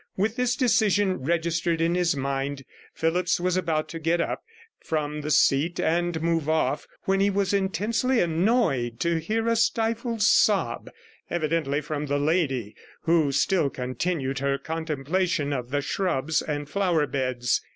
With this decision registered in his mind, Phillipps was about to get up from the seat and move off, when he was intensely annoyed to hear a stifled sob, evidently from the lady, who still continued her contemplation of the shrubs and flower beds.